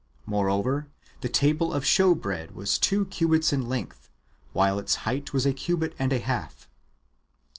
Moreover, the table of shew bread'^ was two cubits in length, while its height was a cubit and a half.